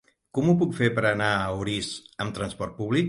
Com ho puc fer per anar a Orís amb trasport públic?